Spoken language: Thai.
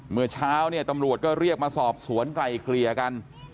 เมื่อเช้าตำรวจก็เรียกมาสอบสวนไกล่เคลียร์กัน